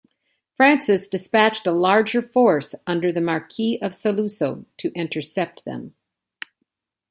Francis dispatched a larger force under the Marquis of Saluzzo to intercept them.